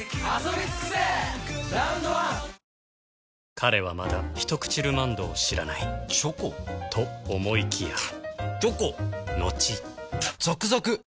彼はまだ「ひとくちルマンド」を知らないチョコ？と思いきやチョコのちザクザク！